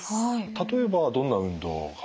例えばどんな運動が？